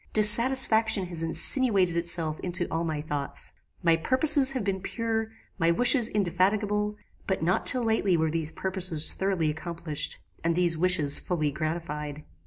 Dissatisfaction has insinuated itself into all my thoughts. My purposes have been pure; my wishes indefatigable; but not till lately were these purposes thoroughly accomplished, and these wishes fully gratified.